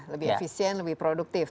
lebih efisien lebih produktif